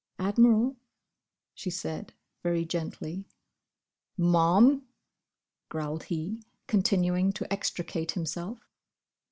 "Admiral!" she said, very gently. "Ma'am?" growled he, continuing to extricate himself.